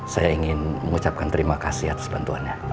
saya ingin mengucapkan terima kasih atas bantuannya